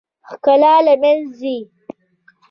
ښکلا له منځه ځي .